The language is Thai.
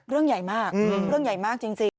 เรื่องใหญ่มากเรื่องใหญ่มากจริง